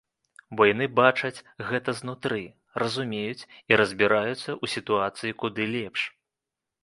Бо яны бачаць гэта знутры, разумеюць і разбіраюцца ў сітуацыі куды лепш.